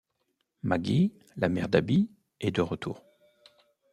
Maggie, la mère d'Abby, est de retour.